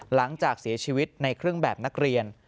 หลังจากเสียชีวิตในเครื่องแบบนักเรียน